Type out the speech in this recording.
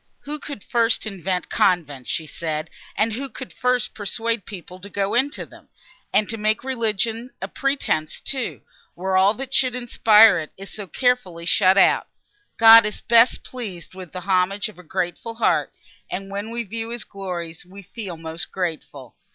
"Who could first invent convents!" said she, "and who could first persuade people to go into them? and to make religion a pretence, too, where all that should inspire it, is so carefully shut out! God is best pleased with the homage of a grateful heart, and, when we view his glories, we feel most grateful.